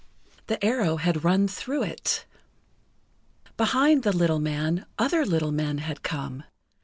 The arrow had run through it. Behind the little man, other little men had come.